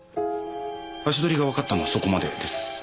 足取りがわかったのはそこまでです。